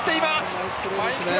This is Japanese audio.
ナイスプレーですね。